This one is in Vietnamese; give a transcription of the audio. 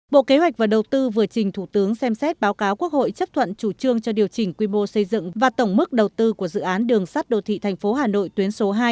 bộ kế hoạch và đầu tư vừa trình thủ tướng xem xét báo cáo quốc hội chấp thuận chủ trương cho điều chỉnh quy mô xây dựng và tổng mức đầu tư của dự án đường sắt đô thị thành phố hà nội tuyến số hai